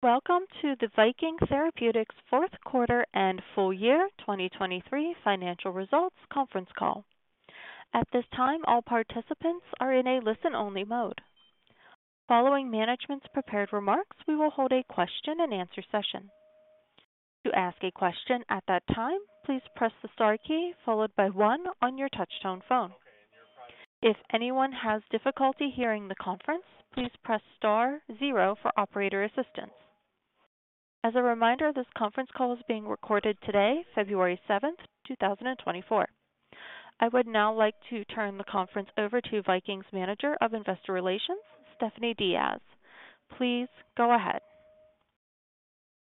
Welcome to the Viking Therapeutics' Fourth Quarter and Full Year 2023 Financial Results Conference Call. At this time, all participants are in a listen-only mode. Following management's prepared remarks, we will hold a question-and-answer session. To ask a question at that time, please press the star key followed by one on your touchtone phone. If anyone has difficulty hearing the conference, please press star zero for operator assistance. As a reminder, this conference call is being recorded today, February 7, 2024. I would now like to turn the conference over to Viking's Manager of Investor Relations, Stephanie Diaz. Please go ahead.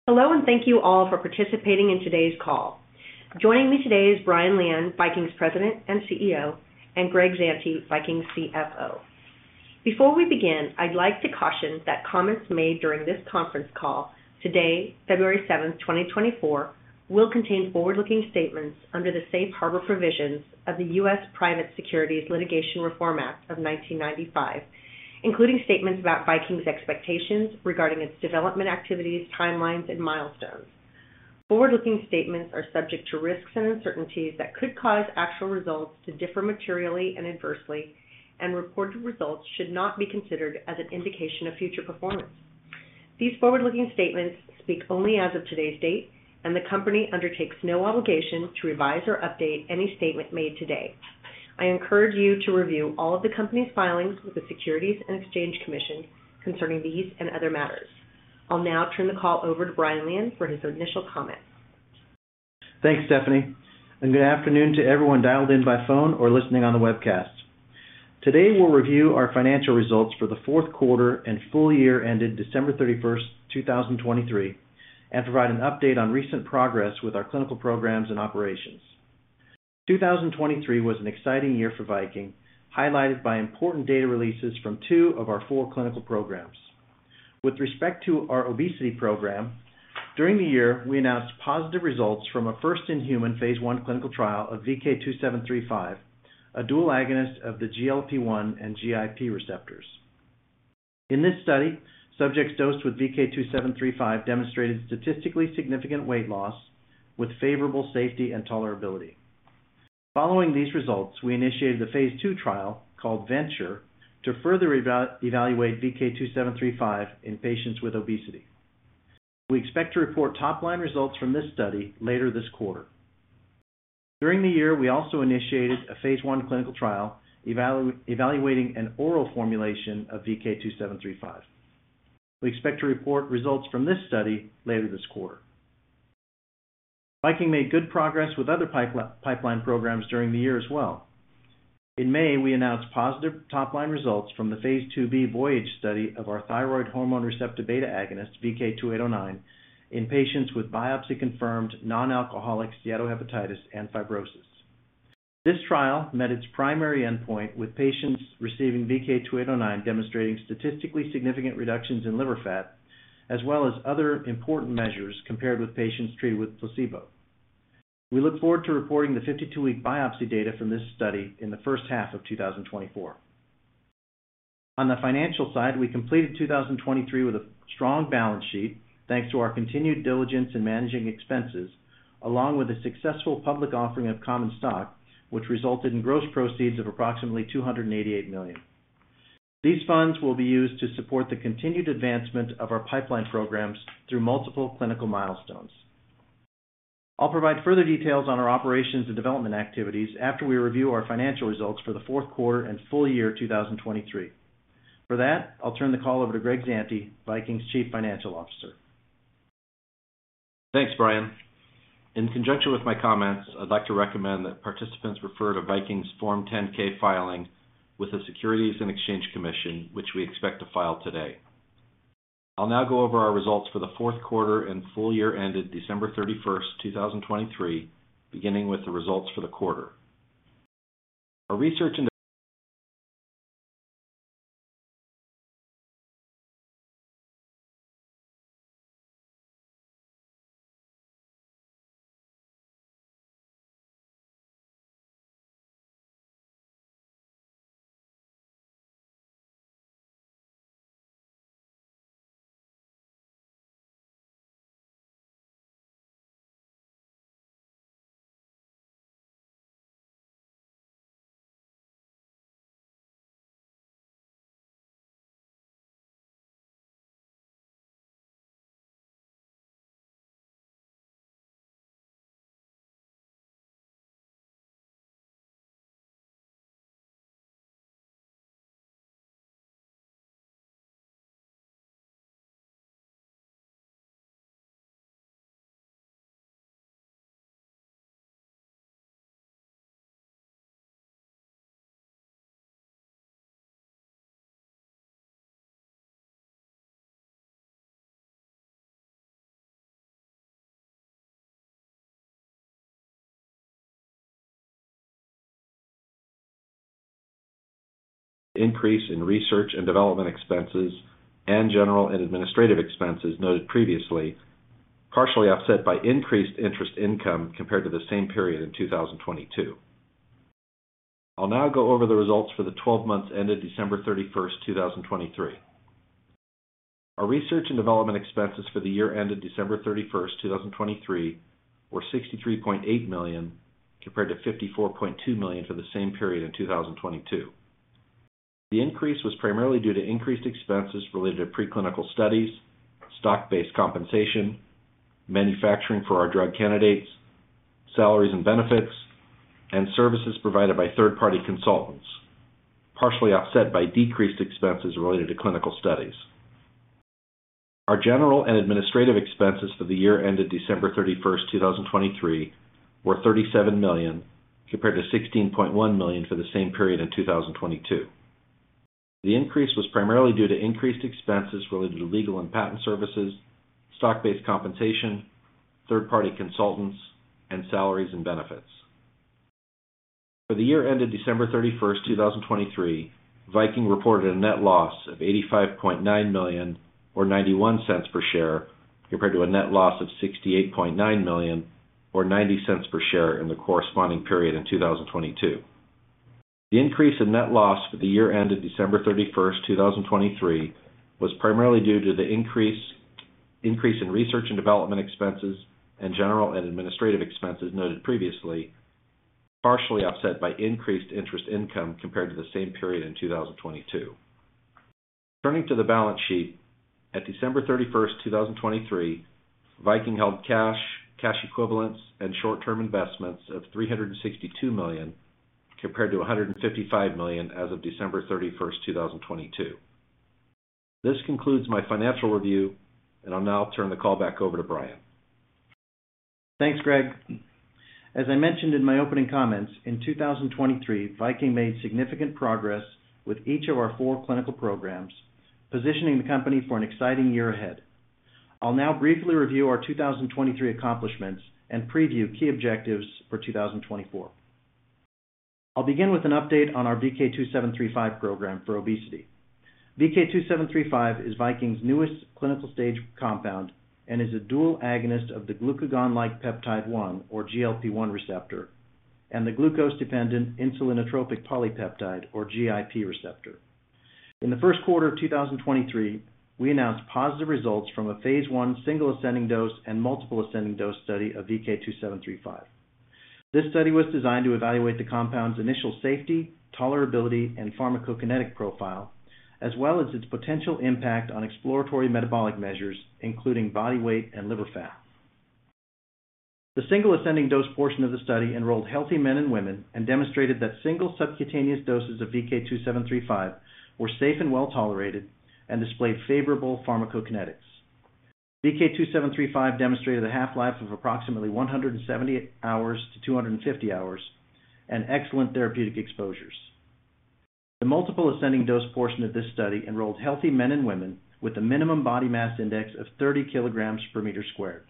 Hello, and thank you all for participating in today's call. Joining me today is Brian Lian, Viking's President and CEO, and Greg Zante, Viking's CFO. Before we begin, I'd like to caution that comments made during this conference call today, February 7, 2024, will contain forward-looking statements under the Safe Harbor Provisions of the U.S. Private Securities Litigation Reform Act of 1995, including statements about Viking's expectations regarding its development activities, timelines, and milestones. Forward-looking statements are subject to risks and uncertainties that could cause actual results to differ materially and adversely, and reported results should not be considered as an indication of future performance. These forward-looking statements speak only as of today's date, and the company undertakes no obligation to revise or update any statement made today. I encourage you to review all of the company's filings with the Securities and Exchange Commission concerning these and other matters. I'll now turn the call over to Brian Lian for his initial comments. Thanks, Stephanie, and good afternoon to everyone dialed in by phone or listening on the webcast. Today, we'll review our financial results for the fourth quarter and full year ended December 31st, 2023, and provide an update on recent progress with our clinical programs and operations. 2023 was an exciting year for Viking, highlighted by important data releases from 2 of our 4 clinical programs. With respect to our obesity program, during the year, we announced positive results from a first-in-human phase I clinical trial of VK2735, a dual agonist of the GLP-1 and GIP receptors. In this study, subjects dosed with VK2735 demonstrated statistically significant weight loss with favorable safety and tolerability. Following these results, we initiated the phase II trial, called VENTURE, to further evaluate VK2735 in patients with obesity. We expect to report top-line results from this study later this quarter. During the year, we also initiated a phase I clinical trial, evaluating an oral formulation of VK2735. We expect to report results from this study later this quarter. Viking made good progress with other pipeline programs during the year as well. In May, we announced positive top-line results from the phase IIb VOYAGE study of our thyroid hormone receptor beta agonist, VK2809, in patients with biopsy-confirmed non-alcoholic steatohepatitis and fibrosis. This trial met its primary endpoint, with patients receiving VK2809 demonstrating statistically significant reductions in liver fat, as well as other important measures compared with patients treated with placebo. We look forward to reporting the 52-week biopsy data from this study in the first half of 2024. On the financial side, we completed 2023 with a strong balance sheet, thanks to our continued diligence in managing expenses, along with a successful public offering of common stock, which resulted in gross proceeds of approximately $288 million. These funds will be used to support the continued advancement of our pipeline programs through multiple clinical milestones. I'll provide further details on our operations and development activities after we review our financial results for the fourth quarter and full year 2023. For that, I'll turn the call over to Greg Zante, Viking's Chief Financial Officer. Thanks, Brian. In conjunction with my comments, I'd like to recommend that participants refer to Viking's Form 10-K filing with the Securities and Exchange Commission, which we expect to file today. I'll now go over our results for the fourth quarter and full year ended December 31, 2023, beginning with the results for the quarter. Our increase in research and development expenses and general and administrative expenses noted previously, partially offset by increased interest income compared to the same period in 2022. I'll now go over the results for the twelve months ended December 31, 2023. Our research and development expenses for the year ended December 31, 2023, were $63.8 million, compared to $54.2 million for the same period in 2022. The increase was primarily due to increased expenses related to preclinical studies, stock-based compensation, manufacturing for our drug candidates, salaries and benefits, and services provided by third-party consultants, partially offset by decreased expenses related to clinical studies. Our general and administrative expenses for the year ended December 31, 2023, were $37 million, compared to $16.1 million for the same period in 2022. The increase was primarily due to increased expenses related to legal and patent services, stock-based compensation, third-party consultants, and salaries and benefits. For the year ended December 31, 2023, Viking reported a net loss of $85.9 million or $0.91 per share, compared to a net loss of $68.9 million or $0.90 per share in the corresponding period in 2022. The increase in net loss for the year ended December 31, 2023, was primarily due to the increase in research and development expenses and general and administrative expenses noted previously, partially offset by increased interest income compared to the same period in 2022. Turning to the balance sheet, at December 31, 2023, Viking held cash, cash equivalents, and short-term investments of $362 million, compared to $155 million as of December 31, 2022. This concludes my financial review, and I'll now turn the call back over to Brian. Thanks, Greg. As I mentioned in my opening comments, in 2023, Viking made significant progress with each of our four clinical programs, positioning the company for an exciting year ahead. I'll now briefly review our 2023 accomplishments and preview key objectives for 2024. I'll begin with an update on our VK2735 program for obesity. VK2735 is Viking's newest clinical stage compound and is a dual agonist of the glucagon-like peptide-1, or GLP-1 receptor, and the glucose-dependent insulinotropic polypeptide, or GIP receptor. In the first quarter of 2023, we announced positive results from a Phase I single ascending dose and multiple ascending dose study of VK2735. This study was designed to evaluate the compound's initial safety, tolerability, and pharmacokinetic profile, as well as its potential impact on exploratory metabolic measures, including body weight and liver fat. The single ascending dose portion of the study enrolled healthy men and women and demonstrated that single subcutaneous doses of VK2735 were safe and well tolerated and displayed favorable pharmacokinetics. VK2735 demonstrated a half-life of approximately 170-250 hours and excellent therapeutic exposures. The multiple ascending dose portion of this study enrolled healthy men and women with a minimum body mass index of 30 kilograms per meter squared.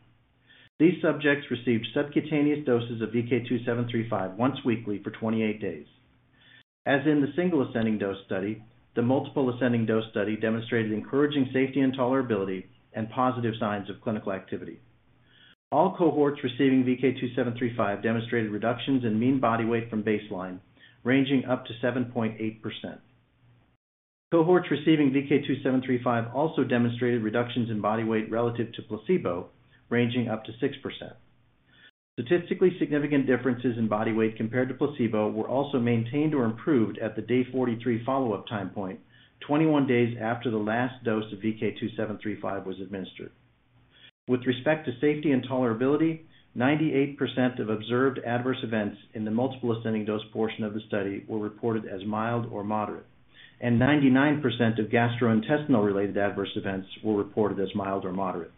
These subjects received subcutaneous doses of VK2735 once weekly for 28 days. As in the single ascending dose study, the multiple ascending dose study demonstrated encouraging safety and tolerability and positive signs of clinical activity. All cohorts receiving VK2735 demonstrated reductions in mean body weight from baseline, ranging up to 7.8%. Cohorts receiving VK2735 also demonstrated reductions in body weight relative to placebo, ranging up to 6%. Statistically significant differences in body weight compared to placebo were also maintained or improved at the day 43 follow-up time point, 21 days after the last dose of VK2735 was administered. With respect to safety and tolerability, 98% of observed adverse events in the multiple ascending dose portion of the study were reported as mild or moderate, and 99% of gastrointestinal-related adverse events were reported as mild or moderate.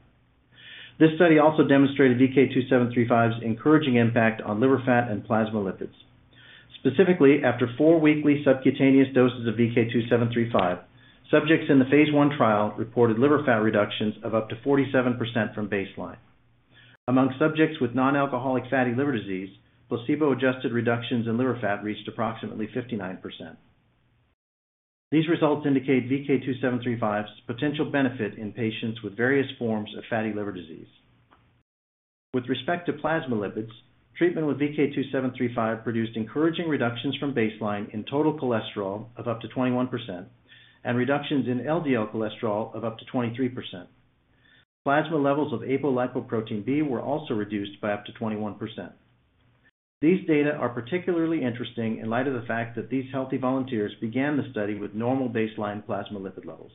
This study also demonstrated VK2735's encouraging impact on liver fat and plasma lipids. Specifically, after 4 weekly subcutaneous doses of VK2735, subjects in the phase I trial reported liver fat reductions of up to 47% from baseline. Among subjects with non-alcoholic fatty liver disease, placebo-adjusted reductions in liver fat reached approximately 59%. These results indicate VK2735's potential benefit in patients with various forms of fatty liver disease. With respect to plasma lipids, treatment with VK2735 produced encouraging reductions from baseline in total cholesterol of up to 21% and reductions in LDL cholesterol of up to 23%. Plasma levels of Apolipoprotein B were also reduced by up to 21%. These data are particularly interesting in light of the fact that these healthy volunteers began the study with normal baseline plasma lipid levels.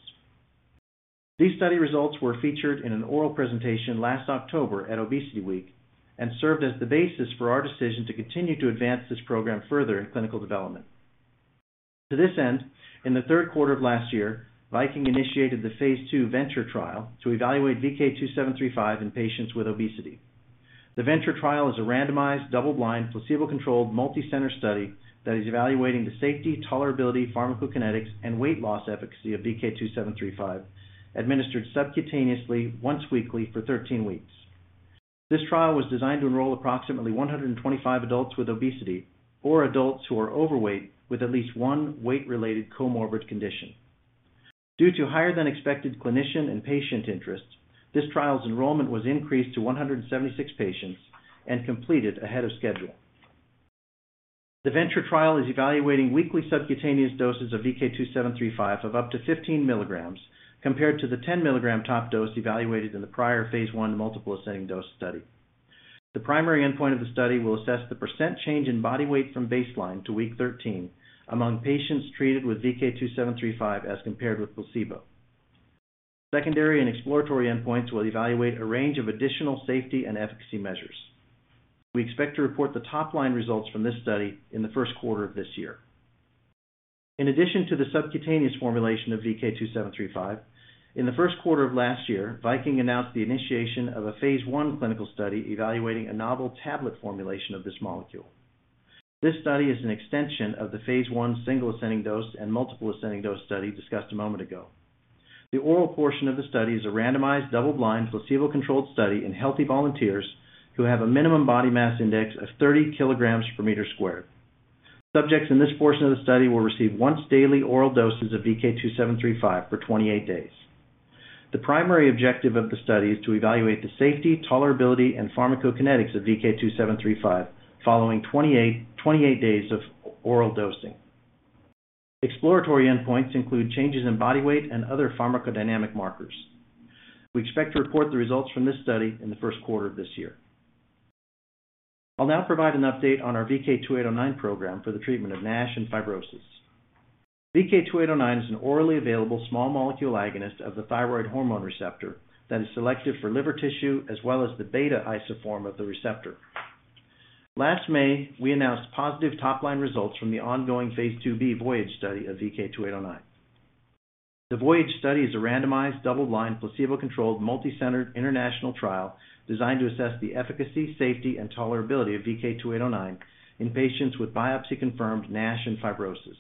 These study results were featured in an oral presentation last October at Obesity Week and served as the basis for our decision to continue to advance this program further in clinical development. To this end, in the third quarter of last year, Viking initiated the Phase II VENTURE trial to evaluate VK2735 in patients with obesity. The VENTURE trial is a randomized, double-blind, placebo-controlled, multi-center study that is evaluating the safety, tolerability, pharmacokinetics, and weight loss efficacy of VK2735, administered subcutaneously once weekly for 13 weeks. This trial was designed to enroll approximately 125 adults with obesity or adults who are overweight with at least one weight-related comorbid condition.... Due to higher than expected clinician and patient interest, this trial's enrollment was increased to 176 patients and completed ahead of schedule. The VENTURE trial is evaluating weekly subcutaneous doses of VK2735 of up to 15 milligrams, compared to the 10 milligram top dose evaluated in the prior phase 1 multiple ascending dose study. The primary endpoint of the study will assess the percent change in body weight from baseline to week 13 among patients treated with VK2735 as compared with placebo. Secondary and exploratory endpoints will evaluate a range of additional safety and efficacy measures. We expect to report the top-line results from this study in the first quarter of this year. In addition to the subcutaneous formulation of VK2735, in the first quarter of last year, Viking announced the initiation of a Phase 1 clinical study evaluating a novel tablet formulation of this molecule. This study is an extension of the Phase 1 single ascending dose and multiple ascending dose study discussed a moment ago. The oral portion of the study is a randomized, double-blind, placebo-controlled study in healthy volunteers who have a minimum body mass index of 30 kg/m². Subjects in this portion of the study will receive once-daily oral doses of VK2735 for 28 days. The primary objective of the study is to evaluate the safety, tolerability, and pharmacokinetics of VK2735 following 28 days of oral dosing. Exploratory endpoints include changes in body weight and other pharmacodynamic markers. We expect to report the results from this study in the first quarter of this year. I'll now provide an update on our VK2809 program for the treatment of NASH and fibrosis. VK2809 is an orally available small molecule agonist of the thyroid hormone receptor that is selective for liver tissue, as well as the beta isoform of the receptor. Last May, we announced positive top-line results from the ongoing Phase IIb VOYAGE study of VK2809. The VOYAGE study is a randomized, double-blind, placebo-controlled, multi-centered international trial designed to assess the efficacy, safety, and tolerability of VK2809 in patients with biopsy-confirmed NASH and fibrosis.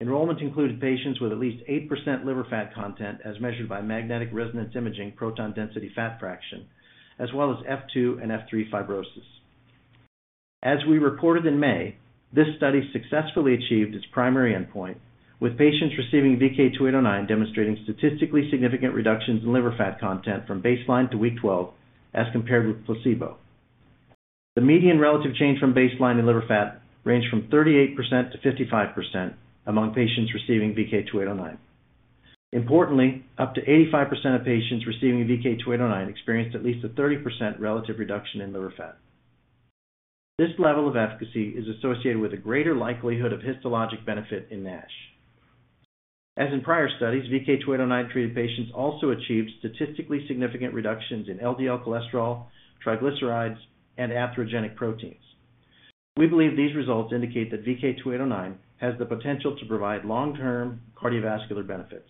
Enrollment included patients with at least 8% liver fat content, as measured by magnetic resonance imaging proton density fat fraction, as well as F2 and F3 fibrosis. As we reported in May, this study successfully achieved its primary endpoint, with patients receiving VK2809 demonstrating statistically significant reductions in liver fat content from baseline to week 12 as compared with placebo. The median relative change from baseline in liver fat ranged from 38%-55% among patients receiving VK2809. Importantly, up to 85% of patients receiving VK2809 experienced at least a 30% relative reduction in liver fat. This level of efficacy is associated with a greater likelihood of histologic benefit in NASH. As in prior studies, VK2809-treated patients also achieved statistically significant reductions in LDL cholesterol, triglycerides, and atherogenic proteins. We believe these results indicate that VK2809 has the potential to provide long-term cardiovascular benefits.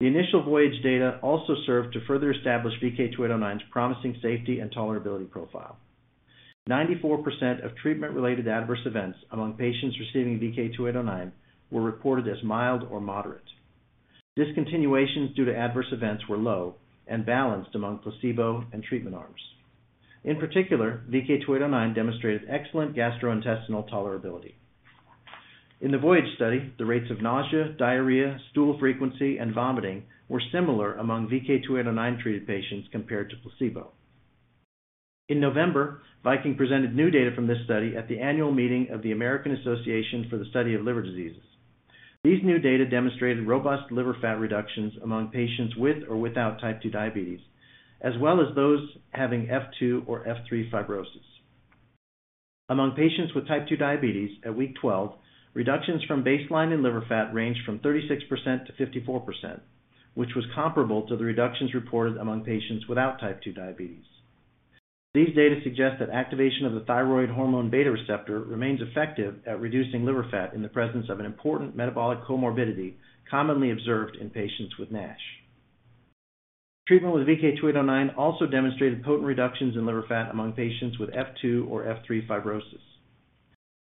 The initial VOYAGE data also served to further establish VK2809's promising safety and tolerability profile. 94% of treatment-related adverse events among patients receiving VK2809 were reported as mild or moderate. Discontinuations due to adverse events were low and balanced among placebo and treatment arms. In particular, VK2809 demonstrated excellent gastrointestinal tolerability. In the VOYAGE study, the rates of nausea, diarrhea, stool frequency, and vomiting were similar among VK2809-treated patients compared to placebo. In November, Viking presented new data from this study at the annual meeting of the American Association for the Study of Liver Diseases. These new data demonstrated robust liver fat reductions among patients with or without type II diabetes, as well as those having F2 or F3 fibrosis. Among patients with type 2 diabetes, at week 12, reductions from baseline in liver fat ranged from 36% to 54%, which was comparable to the reductions reported among patients without type 2 diabetes. These data suggest that activation of the thyroid hormone beta receptor remains effective at reducing liver fat in the presence of an important metabolic comorbidity, commonly observed in patients with NASH. Treatment with VK2809 also demonstrated potent reductions in liver fat among patients with F2 or F3 fibrosis.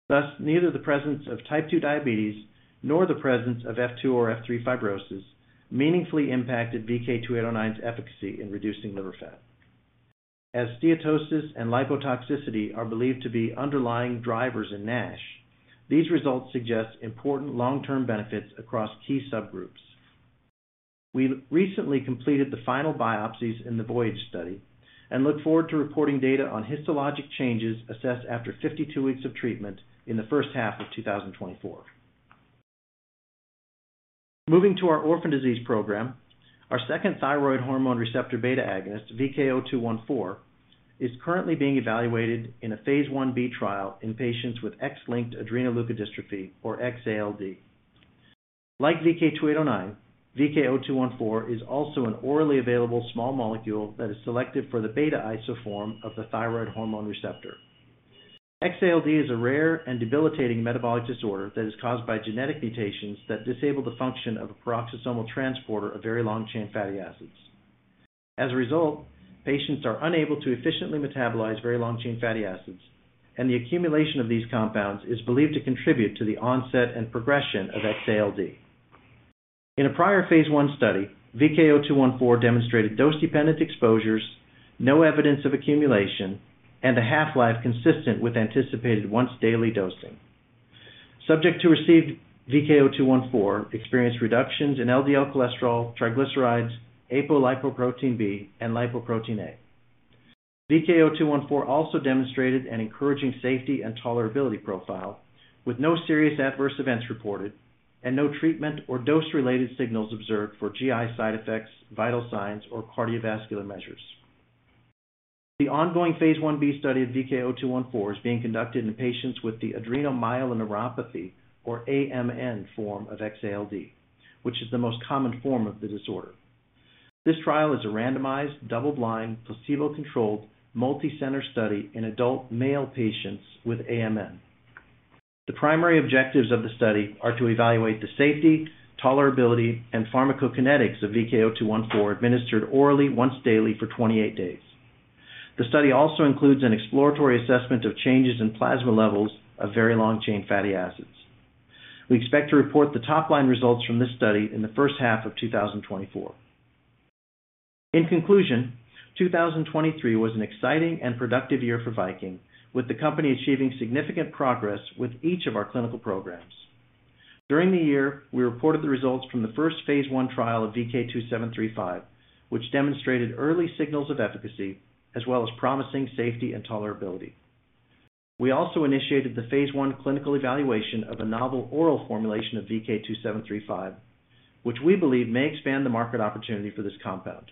Thus, neither the presence of type 2 diabetes nor the presence of F2 or F3 fibrosis meaningfully impacted VK2809's efficacy in reducing liver fat. As steatosis and lipotoxicity are believed to be underlying drivers in NASH, these results suggest important long-term benefits across key subgroups. We recently completed the final biopsies in the VOYAGE study and look forward to reporting data on histologic changes assessed after 52 weeks of treatment in the first half of 2024. Moving to our orphan disease program, our second thyroid hormone receptor beta agonist, VK0214, is currently being evaluated in a phase 1b trial in patients with X-linked adrenoleukodystrophy, or X-ALD. Like VK2809, VK0214 is also an orally available small molecule that is selective for the beta isoform of the thyroid hormone receptor. X-ALD is a rare and debilitating metabolic disorder that is caused by genetic mutations that disable the function of a peroxisomal transporter of very long-chain fatty acids. As a result, patients are unable to efficiently metabolize very long-chain fatty acids, and the accumulation of these compounds is believed to contribute to the onset and progression of X-ALD. In a prior phase I study, VK0214 demonstrated dose-dependent exposures. No evidence of accumulation and a half-life consistent with anticipated once-daily dosing. Subjects who received VK0214 experienced reductions in LDL cholesterol, triglycerides, apolipoprotein B, and lipoprotein(a). VK0214 also demonstrated an encouraging safety and tolerability profile, with no serious adverse events reported and no treatment or dose-related signals observed for GI side effects, vital signs, or cardiovascular measures. The ongoing phase 1a study of VK0214 is being conducted in patients with the adrenomyeloneuropathy, or AMN, form of X-ALD, which is the most common form of the disorder. This trial is a randomized, double-blind, placebo-controlled, multicenter study in adult male patients with AMN. The primary objectives of the study are to evaluate the safety, tolerability, and pharmacokinetics of VK0214 administered orally once daily for 28 days. The study also includes an exploratory assessment of changes in plasma levels of very long-chain fatty acids. We expect to report the top-line results from this study in the first half of 2024. In conclusion, 2023 was an exciting and productive year for Viking, with the company achieving significant progress with each of our clinical programs. During the year, we reported the results from the first phase I trial of VK2735, which demonstrated early signals of efficacy as well as promising safety and tolerability. We also initiated the phase I clinical evaluation of a novel oral formulation of VK2735, which we believe may expand the market opportunity for this compound.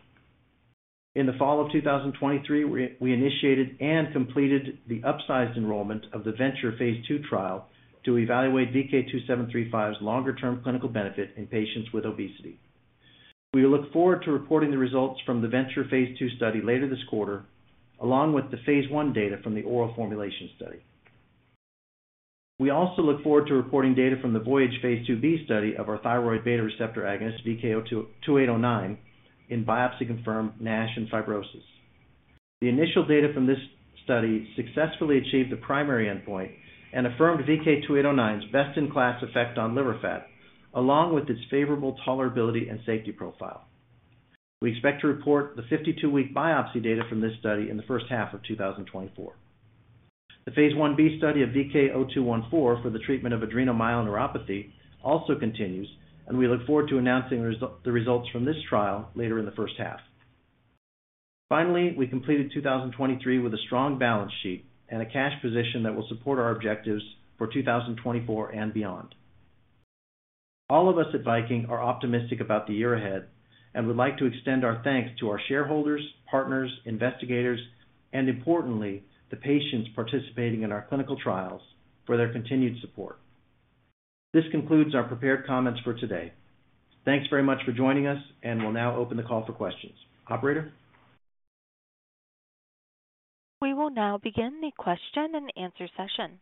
In the fall of 2023, we initiated and completed the upsized enrollment of the Venture phase II trial to evaluate VK2735's longer-term clinical benefit in patients with obesity. We look forward to reporting the results from the VENTURE phase II study later this quarter, along with the phase I data from the oral formulation study. We also look forward to reporting data from the VOYAGE phase IIb study of our thyroid beta receptor agonist, VK2809, in biopsy-confirmed NASH and fibrosis. The initial data from this study successfully achieved the primary endpoint and affirmed VK2809's best-in-class effect on liver fat, along with its favorable tolerability and safety profile. We expect to report the 52-week biopsy data from this study in the first half of 2024. The phase Ib study of VK0214 for the treatment of adrenomyeloneuropathy also continues, and we look forward to announcing the results from this trial later in the first half. Finally, we completed 2023 with a strong balance sheet and a cash position that will support our objectives for 2024 and beyond. All of us at Viking are optimistic about the year ahead and would like to extend our thanks to our shareholders, partners, investigators, and importantly, the patients participating in our clinical trials for their continued support. This concludes our prepared comments for today. Thanks very much for joining us, and we'll now open the call for questions. Operator? We will now begin the question-and-answer session.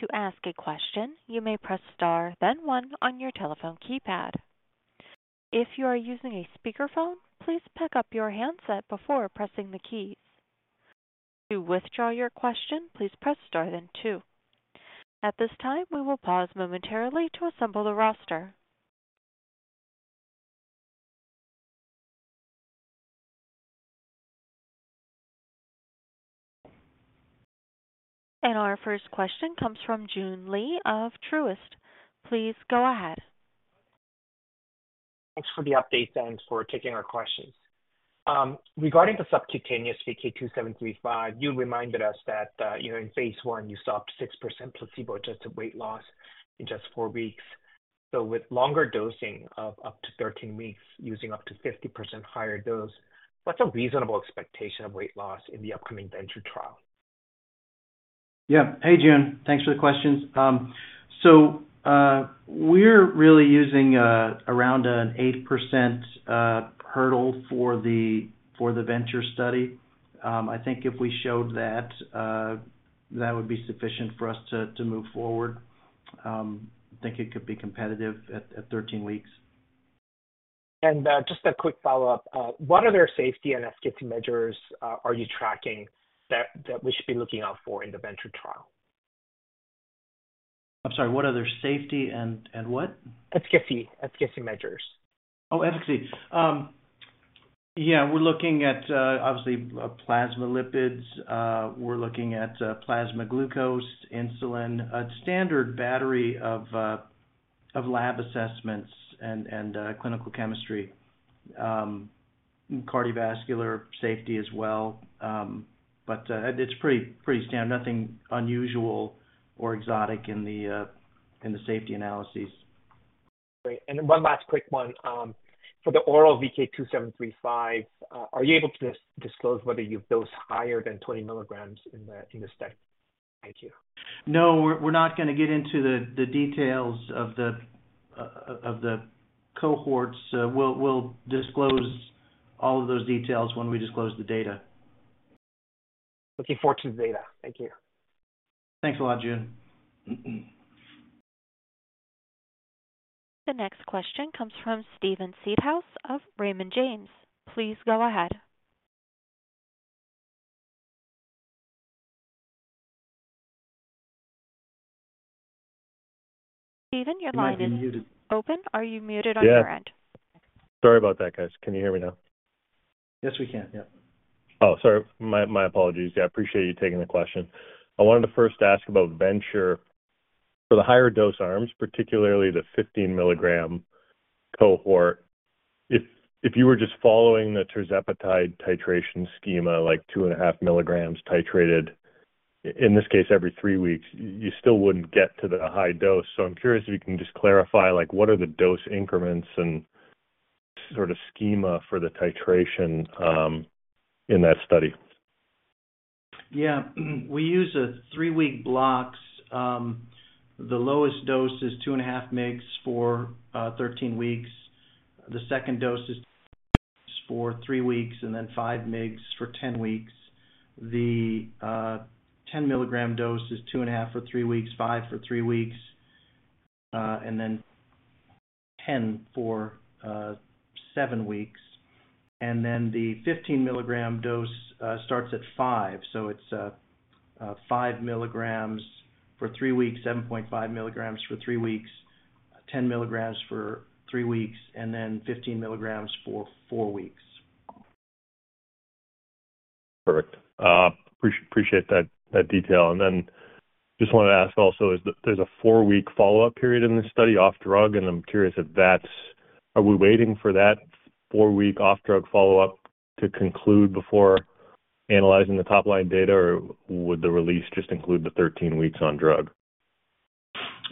To ask a question, you may press star, then one on your telephone keypad. If you are using a speakerphone, please pick up your handset before pressing the keys. To withdraw your question, please press star, then two. At this time, we will pause momentarily to assemble the roster. Our first question comes from Joon Lee of Truist. Please go ahead. Thanks for the update and for taking our questions. Regarding the subcutaneous VK2735, you reminded us that, you know, in phase I, you saw up to 6% placebo-adjusted weight loss in just four weeks. So with longer dosing of up to 13 weeks, using up to 50% higher dose, what's a reasonable expectation of weight loss in the upcoming VENTURE trial? Yeah. Hey, Jun. Thanks for the questions. So, we're really using around an 8% hurdle for the, for the VENTURE study. I think if we showed that, that would be sufficient for us to, to move forward. I think it could be competitive at, at 13 weeks. Just a quick follow-up. What other safety and efficacy measures are you tracking that we should be looking out for in the VENTURE trial? I'm sorry, what other safety and what? Efficacy. Efficacy measures. Oh, efficacy. Yeah, we're looking at, obviously, plasma lipids. We're looking at plasma glucose, insulin, a standard battery of lab assessments and clinical chemistry. Cardiovascular safety as well. But it's pretty, pretty standard. Nothing unusual or exotic in the safety analyses. Great. And then one last quick one. For the oral VK2735, are you able to disclose whether you've dosed higher than 20 milligrams in the study? Thank you. No, we're not going to get into the details of the cohorts. We'll disclose all of those details when we disclose the data. Looking forward to the data. Thank you. Thanks a lot, Jun. The next question comes from Steven Seedhouse of Raymond James. Please go ahead.... Stephen, you're live and open. Are you muted on your end? Yeah. Sorry about that, guys. Can you hear me now? Yes, we can. Yeah. Oh, sorry. My, my apologies. Yeah, I appreciate you taking the question. I wanted to first ask about VENTURE. For the higher dose arms, particularly the 15 milligram cohort, if you were just following the tirzepatide titration schema, like 2.5 milligrams titrated, in this case, every 3 weeks, you still wouldn't get to the high dose. So I'm curious if you can just clarify, like, what are the dose increments and sort of schema for the titration in that study? Yeah, we use 3-week blocks. The lowest dose is 2.5 mg for 13 weeks. The second dose is for 3 weeks and then 5 mg for 10 weeks. The 10-mg dose is 2.5 for 3 weeks, 5 for 3 weeks, and then 10 for 7 weeks. And then the 15-mg dose starts at 5. So it's 5 milligrams for 3 weeks, 7.5 milligrams for 3 weeks, 10 milligrams for 3 weeks, and then 15 milligrams for 4 weeks. Perfect. Appreciate that detail. And then just wanted to ask also, is there a four-week follow-up period in this study, off drug, and I'm curious if that's. Are we waiting for that four-week off-drug follow-up to conclude before analyzing the top-line data, or would the release just include the 13 weeks on drug?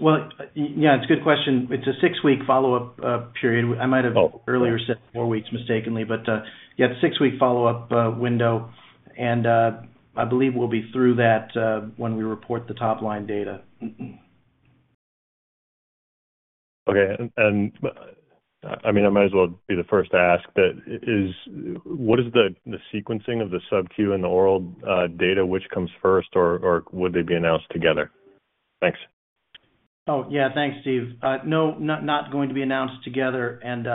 Well, yeah, it's a good question. It's a six-week follow-up period. Oh. I might have earlier said 4 weeks mistakenly, but, yeah, 6-week follow-up window, and I believe we'll be through that when we report the top-line data. Okay. I mean, I might as well be the first to ask, but what is the sequencing of the subQ and the oral data, which comes first, or would they be announced together? Thanks. Oh, yeah. Thanks, Steve. No, not going to be announced together, and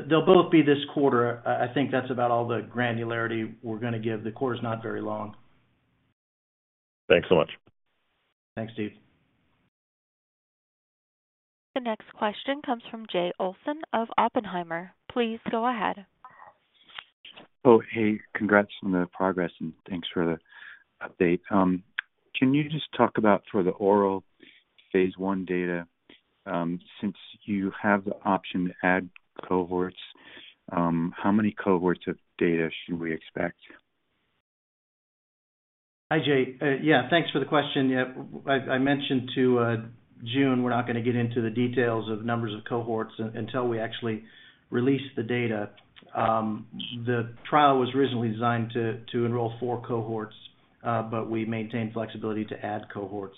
they'll both be this quarter. I think that's about all the granularity we're going to give. The quarter is not very long. Thanks so much. Thanks, Steve. The next question comes from Jay Olson of Oppenheimer. Please go ahead. Oh, hey, congrats on the progress, and thanks for the update. Can you just talk about for the oral phase one data, since you have the option to add cohorts, how many cohorts of data should we expect? Hi, Jay. Yeah, thanks for the question. Yeah, I mentioned to Jun, we're not going to get into the details of numbers of cohorts until we actually release the data. The trial was originally designed to enroll four cohorts, but we maintain flexibility to add cohorts.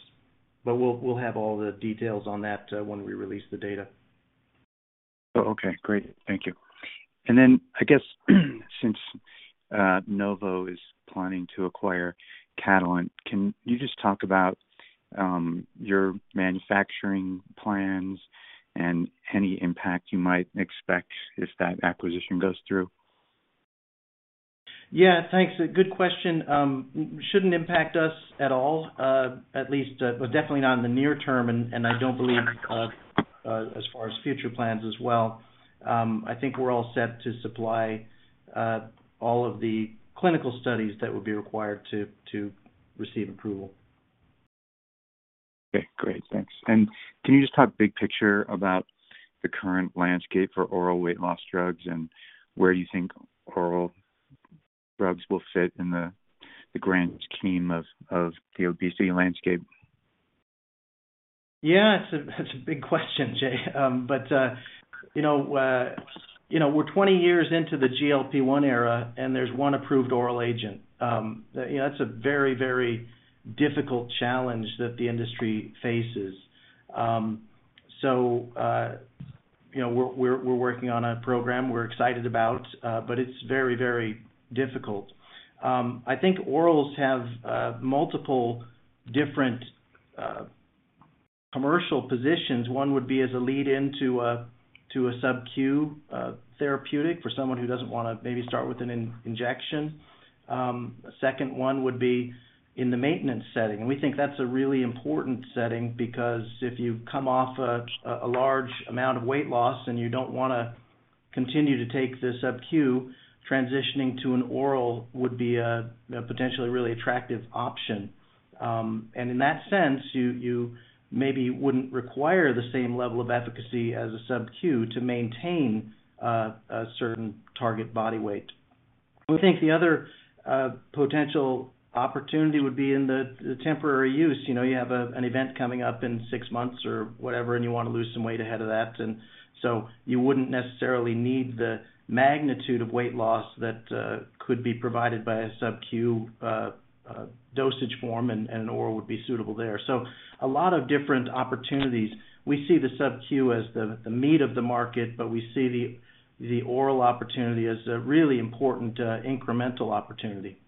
But we'll have all the details on that when we release the data. Oh, okay. Great. Thank you. And then, I guess, since Novo is planning to acquire Catalent, can you just talk about your manufacturing plans and any impact you might expect if that acquisition goes through? Yeah, thanks. A good question. Shouldn't impact us at all, at least, but definitely not in the near term, and I don't believe, as far as future plans as well. I think we're all set to supply all of the clinical studies that would be required to receive approval. Okay, great. Thanks. And can you just talk big picture about the current landscape for oral weight loss drugs and where you think oral drugs will fit in the, the grand scheme of, of the obesity landscape? Yeah, it's a, that's a big question, Jay. But, you know, you know, we're 20 years into the GLP-1 era, and there's one approved oral agent. You know, that's a very, very difficult challenge that the industry faces. So, you know, we're, we're, we're working on a program we're excited about, but it's very, very difficult. I think orals have, multiple different, commercial positions. One would be as a lead-in to a subQ therapeutic for someone who doesn't want to maybe start with an injection. A second one would be in the maintenance setting, and we think that's a really important setting because if you come off a large amount of weight loss and you don't want to continue to take the subq, transitioning to an oral would be a potentially really attractive option. And in that sense, you maybe wouldn't require the same level of efficacy as a subq to maintain a certain target body weight. We think the other potential opportunity would be in the temporary use. You know, you have an event coming up in six months or whatever, and you want to lose some weight ahead of that, and so you wouldn't necessarily need the magnitude of weight loss that could be provided by a subq dosage form, and an oral would be suitable there. So a lot of different opportunities. We see the subQ as the meat of the market, but we see the oral opportunity as a really important, incremental opportunity.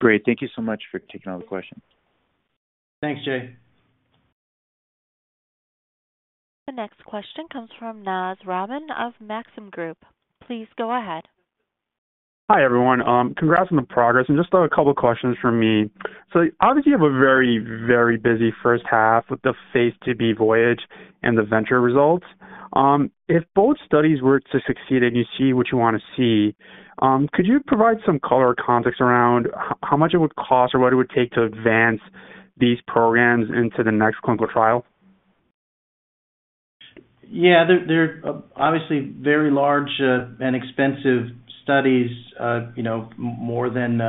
Great. Thank you so much for taking all the questions. Thanks, Jay. The next question comes from Naz Rahman of Maxim Group. Please go ahead. Hi, everyone. Congrats on the progress, and just a couple of questions from me. So obviously, you have a very, very busy first half with the phase 2b VOYAGE and the VENTURE results. If both studies were to succeed and you see what you want to see, could you provide some color or context around how much it would cost or what it would take to advance these programs into the next clinical trial? Yeah, they're, they're obviously very large, and expensive studies, you know, more than,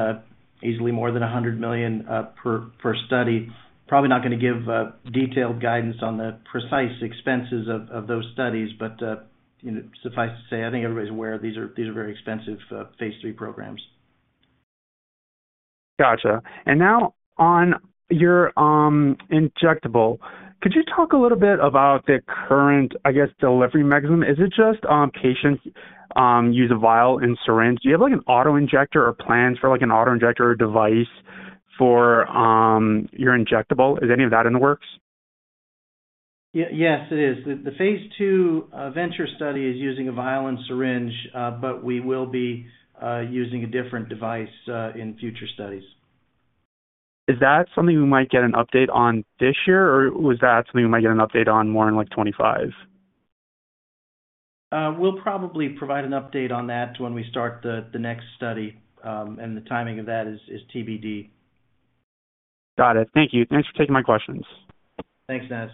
easily more than $100 million, per, per study. Probably not going to give, detailed guidance on the precise expenses of, of those studies, but, you know, suffice to say, I think everybody's aware these are, these are very expensive, Phase III programs. Gotcha. And now on your, injectable, could you talk a little bit about the current, I guess, delivery mechanism? Is it just, patients, use a vial and syringe? Do you have, like, an auto-injector or plans for, like, an auto-injector device for, your injectable? Is any of that in the works? Yes, it is. The phase II VENTURE study is using a vial and syringe, but we will be using a different device in future studies. Is that something we might get an update on this year, or was that something we might get an update on more in, like, 2025? We'll probably provide an update on that when we start the next study, and the timing of that is TBD. Got it. Thank you. Thanks for taking my questions. Thanks, Naz.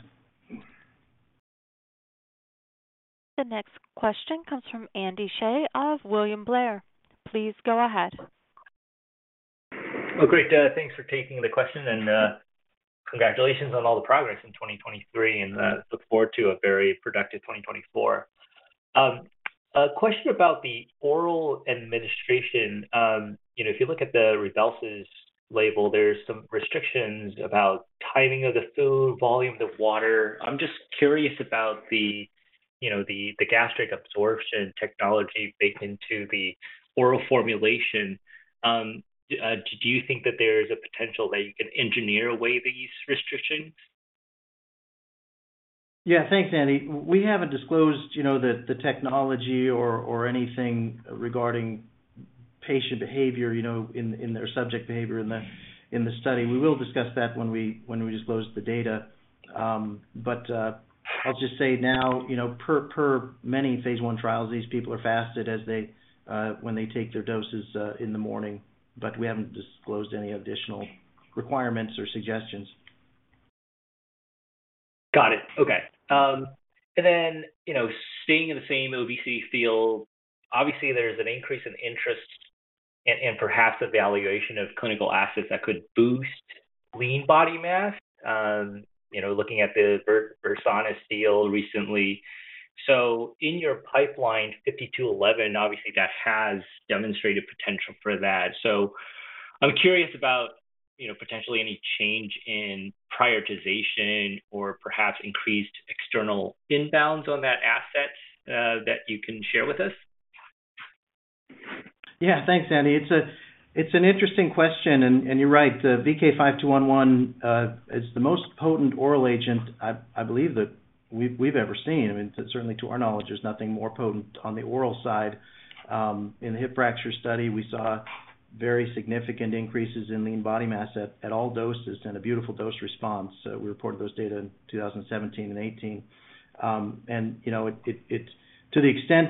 The next question comes from Andy Hsieh of William Blair. Please go ahead. Well, great, thanks for taking the question, and, congratulations on all the progress in 2023, and, look forward to a very productive 2024. A question about the oral administration. You know, if you look at the Rybelsus label, there's some restrictions about timing of the food, volume of the water. I'm just curious about the, you know, the, the gastric absorption technology baked into the oral formulation. Do you think that there is a potential that you can engineer away these restrictions? Yeah. Thanks, Andy. We haven't disclosed, you know, the technology or anything regarding patient behavior, you know, in their subject behavior in the study. We will discuss that when we disclose the data. But, I'll just say now, you know, per many phase I trials, these people are fasted as they when they take their doses in the morning, but we haven't disclosed any additional requirements or suggestions. Got it. Okay. And then, you know, staying in the same obesity field, obviously there's an increase in interest and perhaps evaluation of clinical assets that could boost lean body mass. You know, looking at the Versanis deal recently. So I'm curious about, you know, potentially any change in prioritization or perhaps increased external inbounds on that asset, 52-11, that you can share with us. Yeah. Thanks, Andy. It's an interesting question, and you're right, the VK5211 is the most potent oral agent, I believe, that we've ever seen. I mean, certainly to our knowledge, there's nothing more potent on the oral side. In the hip fracture study, we saw very significant increases in lean body mass at all doses and a beautiful dose response. So we reported those data in 2017 and 2018. And, you know, it... To the extent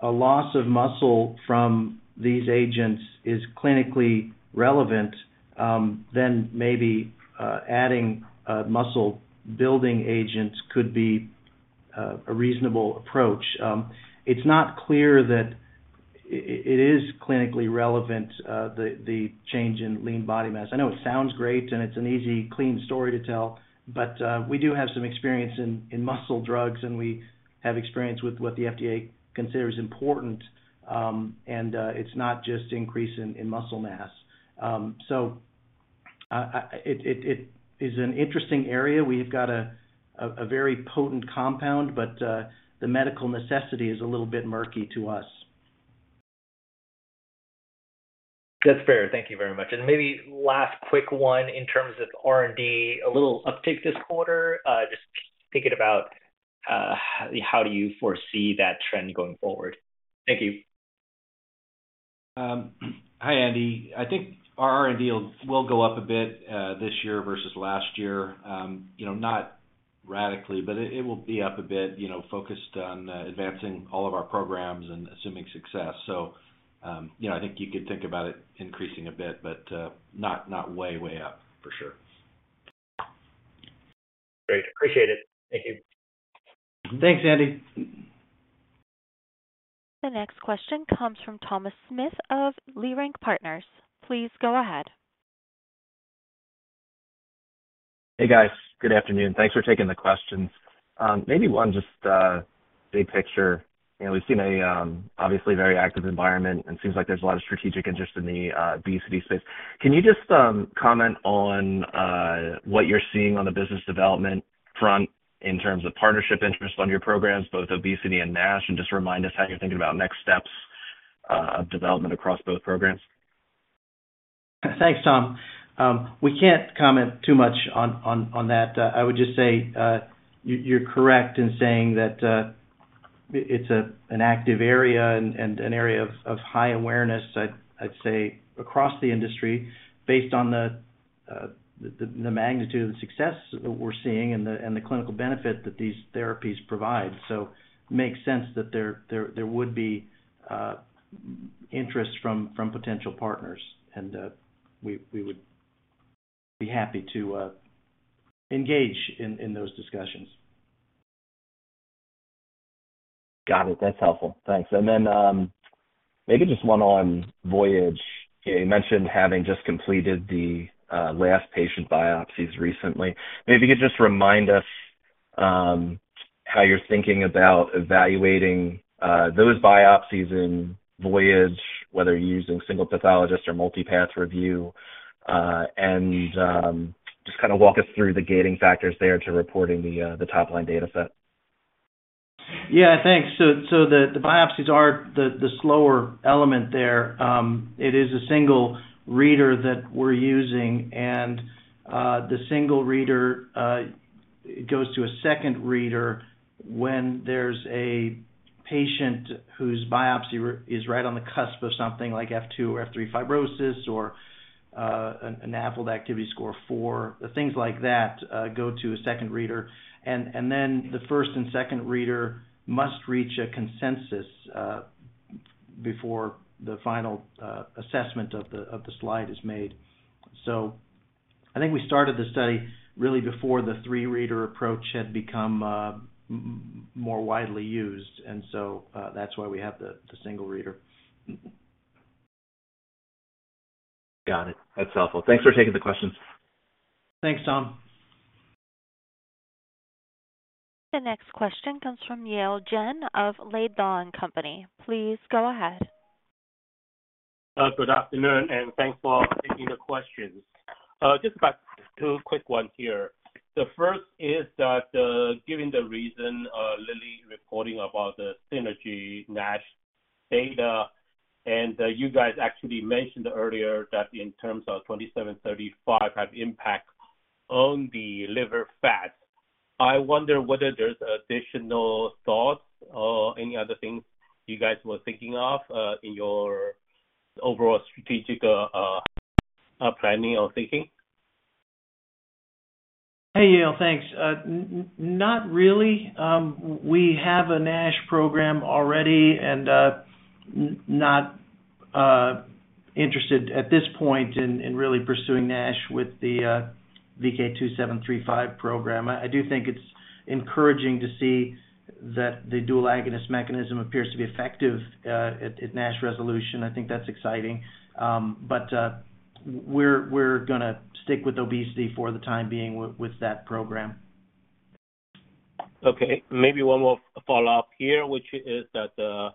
a loss of muscle from these agents is clinically relevant, then maybe adding muscle-building agents could be a reasonable approach. It's not clear that it is clinically relevant, the change in lean body mass. I know it sounds great, and it's an easy, clean story to tell, but we do have some experience in muscle drugs, and we have experience with what the FDA considers important, and it's not just increase in muscle mass. It is an interesting area. We've got a very potent compound, but the medical necessity is a little bit murky to us. That's fair. Thank you very much. Maybe last quick one in terms of R&D, a little uptick this quarter. Just thinking about how do you foresee that trend going forward? Thank you. Hi, Andy. I think our R&D will go up a bit this year versus last year. You know, not radically, but it will be up a bit, you know, focused on advancing all of our programs and assuming success. So, you know, I think you could think about it increasing a bit, but not way up for sure. Great. Appreciate it. Thank you. Thanks, Andy. The next question comes from Thomas Smith of Leerink Partners. Please go ahead. Hey, guys. Good afternoon. Thanks for taking the questions. Maybe one just big picture. You know, we've seen obviously very active environment and seems like there's a lot of strategic interest in the obesity space. Can you just comment on what you're seeing on the business development front in terms of partnership interest on your programs, both obesity and NASH, and just remind us how you're thinking about next steps of development across both programs?... Thanks, Tom. We can't comment too much on that. I would just say you're correct in saying that it's an active area and an area of high awareness, I'd say, across the industry, based on the magnitude of the success that we're seeing and the clinical benefit that these therapies provide. So it makes sense that there would be interest from potential partners, and we would be happy to engage in those discussions. Got it. That's helpful. Thanks. And then, maybe just one on VOYAGE. You mentioned having just completed the last patient biopsies recently. Maybe you could just remind us how you're thinking about evaluating those biopsies in VOYAGE, whether you're using single pathologist or multi-path review, and just kind of walk us through the gating factors there to reporting the top-line data set. Yeah, thanks. So the biopsies are the slower element there. It is a single reader that we're using, and the single reader goes to a second reader when there's a patient whose biopsy is right on the cusp of something like F2 or F3 fibrosis or an NAS activity score 4. Things like that go to a second reader. And then the first and second reader must reach a consensus before the final assessment of the slide is made. So I think we started the study really before the three-reader approach had become more widely used, and so that's why we have the single reader. Got it. That's helpful. Thanks for taking the questions. Thanks, Tom. The next question comes from Yale Jen of Laidlaw & Company. Please go ahead. Good afternoon, and thanks for taking the questions. Just about two quick ones here. The first is that, given the recent, Lilly reporting about the recent NASH data, and, you guys actually mentioned earlier that in terms of VK2735 has impact on the liver fat. I wonder whether there's additional thoughts or any other things you guys were thinking of, in your overall strategic, planning or thinking? Hey, Yale. Thanks. Not really. We have a NASH program already and not interested at this point in really pursuing NASH with the VK2735 program. I do think it's encouraging to see that the dual agonist mechanism appears to be effective at NASH resolution. I think that's exciting. But we're gonna stick with obesity for the time being with that program. Okay, maybe one more follow-up here, which is that,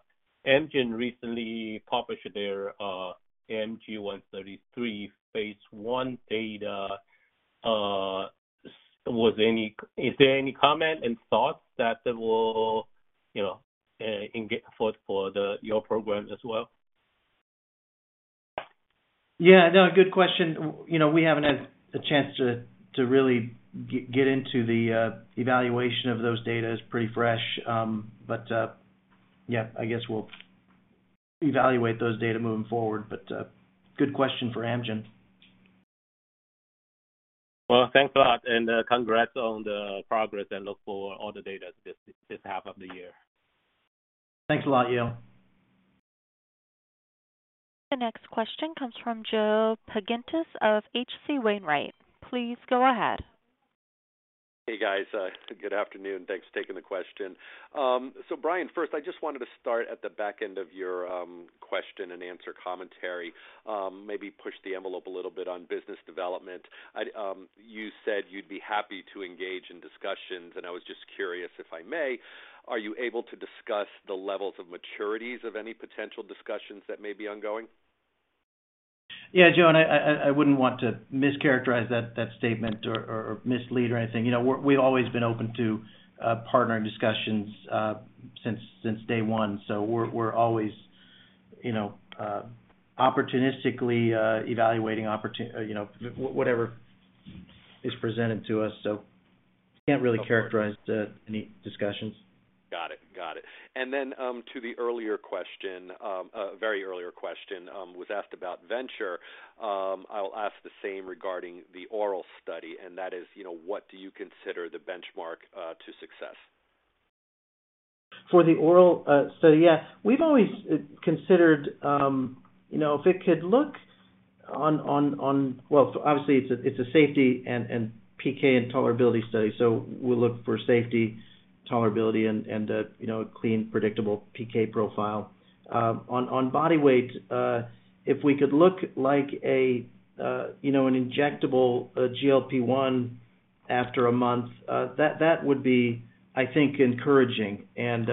Amgen recently published their AMG 133 phase one data. Is there any comment and thoughts that will, you know, engage for, for the, your program as well? Yeah, no, good question. You know, we haven't had a chance to really get into the evaluation of those data. It's pretty fresh. Yeah, I guess we'll evaluate those data moving forward. But good question for Amgen. Well, thanks a lot, and congrats on the progress and look for all the data this half of the year. Thanks a lot, Yale. The next question comes from Joe Pantginis of HC Wainwright. Please go ahead. Hey, guys. Good afternoon. Thanks for taking the question. So Brian, first, I just wanted to start at the back end of your question and answer commentary, maybe push the envelope a little bit on business development. I'd you said you'd be happy to engage in discussions, and I was just curious, if I may, are you able to discuss the levels of maturities of any potential discussions that may be ongoing? Yeah, Joe, I wouldn't want to mischaracterize that statement or mislead or anything. You know, we've always been open to partnering discussions since day one. So we're always, you know, opportunistically evaluating opportun... You know, whatever is presented to us, so can't really characterize- Of course. - any discussions. Got it. Got it. And then, to the earlier question, a very earlier question, was asked about VENTURE. I'll ask the same regarding the oral study, and that is, you know, what do you consider the benchmark to success? For the oral study? Yeah. We've always considered, you know, if it could look on... Well, so obviously, it's a safety and PK and tolerability study, so we'll look for safety, tolerability and a, you know, a clean, predictable PK profile. On body weight, if we could look like a, you know, an injectable GLP-1 after a month, that would be, I think, encouraging. And,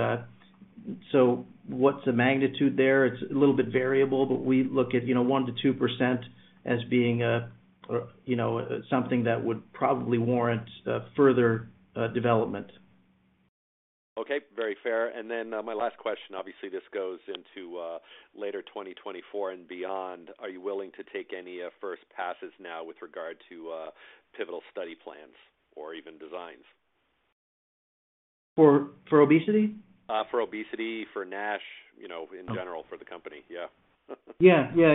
so what's the magnitude there? It's a little bit variable, but we look at, you know, 1%-2% as being, you know, something that would probably warrant further development. ... Okay, very fair. And then, my last question, obviously, this goes into later 2024 and beyond. Are you willing to take any first passes now with regard to pivotal study plans or even designs? For obesity? For obesity, for NASH, you know, in general, for the company. Yeah. Yeah, yeah,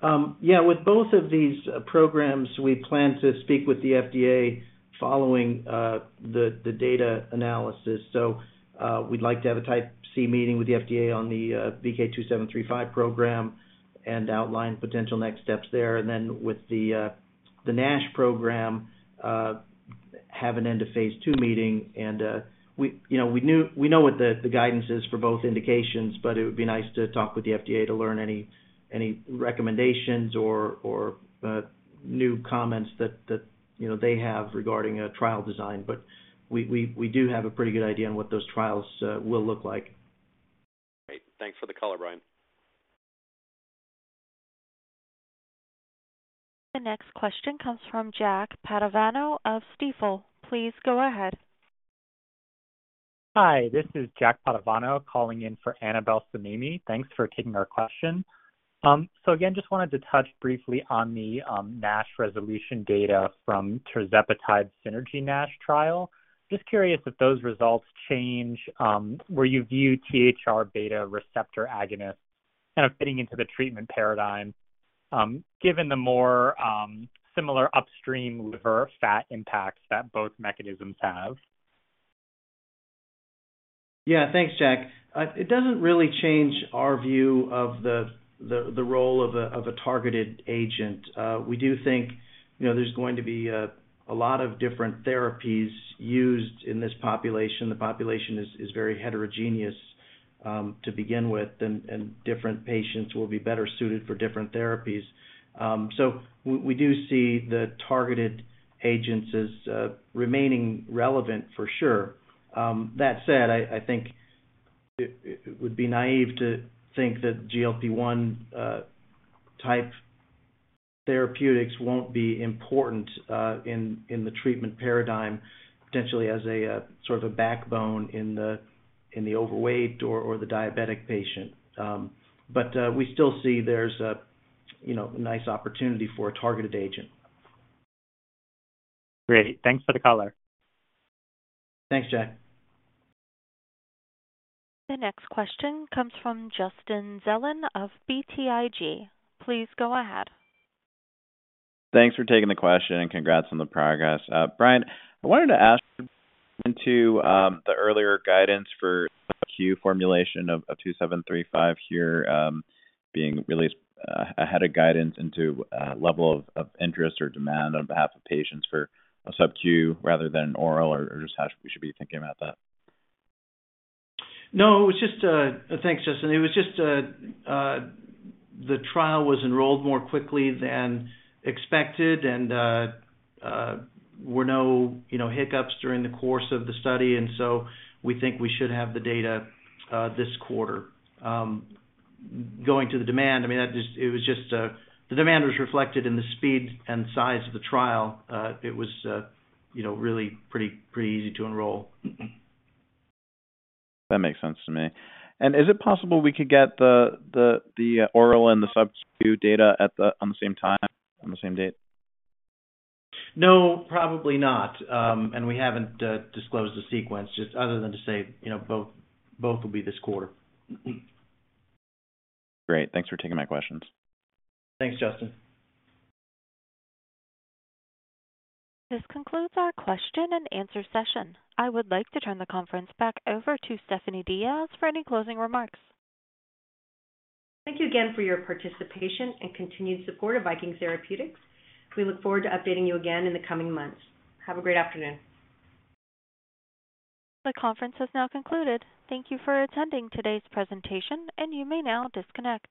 yeah. Yeah, with both of these programs, we plan to speak with the FDA following the data analysis. So, we'd like to have a Type C meeting with the FDA on the VK2735 program and outline potential next steps there. And then with the NASH program, have an end-of-Phase 2 meeting. And, we, you know, we know what the guidance is for both indications, but it would be nice to talk with the FDA to learn any recommendations or new comments that, you know, they have regarding a trial design. But we do have a pretty good idea on what those trials will look like. Great. Thanks for the color, Brian. The next question comes from Jack Padovano of Stifel. Please go ahead. Hi, this is Jack Padovano calling in for Annabel Samimy. Thanks for taking our question. So again, just wanted to touch briefly on the NASH resolution data from tirzepatide synergy NASH trial. Just curious if those results change where you view THR-beta receptor agonist kind of fitting into the treatment paradigm, given the more similar upstream liver fat impacts that both mechanisms have? Yeah. Thanks, Jack. It doesn't really change our view of the role of a targeted agent. We do think, you know, there's going to be a lot of different therapies used in this population. The population is very heterogeneous to begin with, and different patients will be better suited for different therapies. So we do see the targeted agents as remaining relevant for sure. That said, I think it would be naive to think that GLP-1 type therapeutics won't be important in the treatment paradigm, potentially as a sort of a backbone in the overweight or the diabetic patient. But we still see there's a, you know, nice opportunity for a targeted agent. Great. Thanks for the color. Thanks, Jack. The next question comes from Justin Zelin of BTIG. Please go ahead. Thanks for taking the question, and congrats on the progress. Brian, I wanted to ask into the earlier guidance for oral formulation of VK2735 here, being released ahead of guidance into level of interest or demand on behalf of patients for a subQ rather than oral, or just how we should be thinking about that. No, it was just that. Thanks, Justin. It was just that the trial was enrolled more quickly than expected, and there were no, you know, hiccups during the course of the study, and so we think we should have the data this quarter. Going to the demand, I mean, that is, it was just that the demand was reflected in the speed and size of the trial. It was, you know, really pretty easy to enroll. That makes sense to me. Is it possible we could get the oral and the subQ data at the same time, on the same date? No, probably not. And we haven't disclosed the sequence, just other than to say, you know, both will be this quarter. Great. Thanks for taking my questions. Thanks, Justin. This concludes our question and answer session. I would like to turn the conference back over to Stephanie Diaz for any closing remarks. Thank you again for your participation and continued support of Viking Therapeutics. We look forward to updating you again in the coming months. Have a great afternoon. The conference has now concluded. Thank you for attending today's presentation, and you may now disconnect.